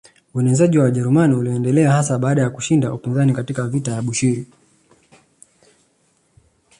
Uenezeaji wa Wajerumani uliendelea hasa baada ya kushinda upinzani katika vita ya Abushiri